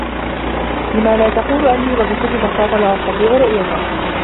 لم لا تقول أنّي و بكلّ بساطة لا أستطيع رؤيته.